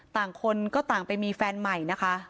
ต่างคนก็ต่างไปมีแฟนใหม่นะคะ